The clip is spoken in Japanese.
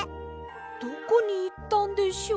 どこにいったんでしょう？